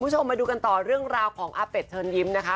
คุณผู้ชมมาดูกันต่อเรื่องราวของอาเป็ดเชิญยิ้มนะคะ